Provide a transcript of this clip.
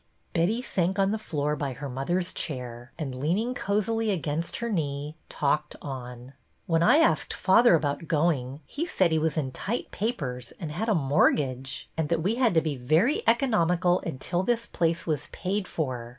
Betty sank on the floor by her mother's chair, and, leaning cosily against her knee, talked on. " When I asked father about going, he said he was ' in tight papers ' and had a mortgage, and "IN TIGHT PAPERS'' 7 that we had to be very economical until this place was paid for.